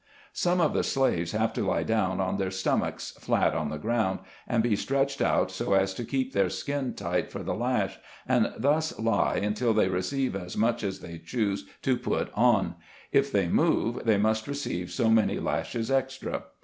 Some of the slaves have to lie down on their stomachs, flat on the ground, and be stretched out so as to keep their skin tight for the lash, and thus lie until they receive as much as they choose to put on ; if they move, they must receive so many lashes extra.